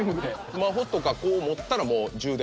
スマホとかこう持ったらもう充電？